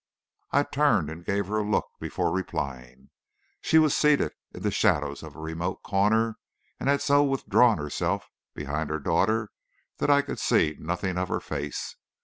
I turned and gave her a look before replying. She was seated in the shadows of a remote corner, and had so withdrawn herself behind her daughter that I could see nothing of her face.